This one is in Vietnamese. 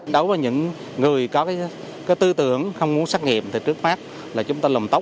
đối với những người có tư tưởng không muốn xét nghiệm thì trước mắt là chúng ta lồng tóc